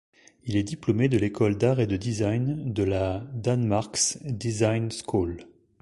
Il est diplômé de l'école d'art et de design de la Danmarks Designskole.